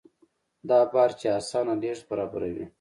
دا بارچي اسانه لېږد برابروي.